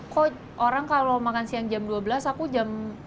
kok orang kalau makan siang jam dua belas aku jam